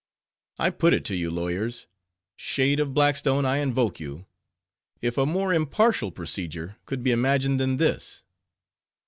I put it to you, lawyers—shade of Blackstone, I invoke you—if a more impartial procedure could be imagined than this?